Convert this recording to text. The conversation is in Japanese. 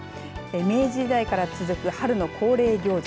明治時代から続く春の恒例行事